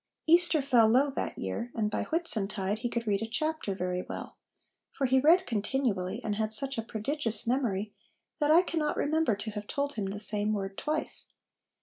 Easter fell low that year, and by Whitsuntide he could read a chapter very well ; for he read continually, and had such a prodigious memory, that I cannot remember to have told him the same word twice.